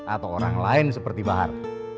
atau orang lain seperti bahar